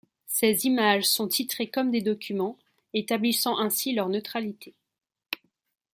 Ses images sont titrées comme des documents, établissant ainsi leur neutralité.